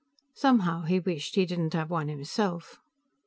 Somehow he wished he didn't have one himself.